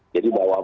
jadi bawa makan